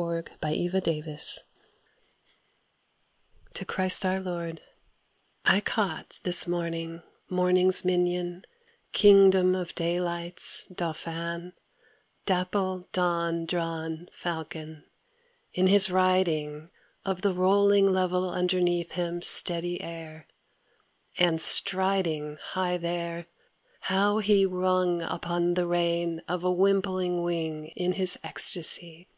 12 The Windhover: To Christ our Lord I CAUGHT this morning morning's minion, king dom of daylight's dauphin, dapple dawn drawn Fal con, in his riding Of the rolling level underneath him steady air, and striding High there, how he rung upon the rein of a wimpling wing In his ecstacy!